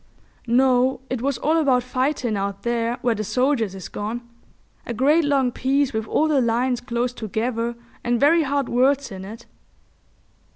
"No; it was all about fightin' out there where the soldiers is gone—a great long piece with all the lines close together and very hard words in it.